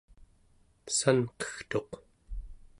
sanqegtuq